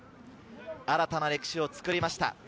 新たな歴史を作りました。